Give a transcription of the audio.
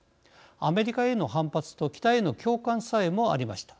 アメリカへの反発と北への共感さえもありました。